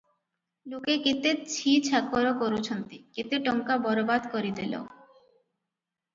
ଲୋକେ କେତେ ଛି ଛାକର କରୁଛନ୍ତି, କେତେ ଟଙ୍କା ବରବାଦ କରିଦେଲ!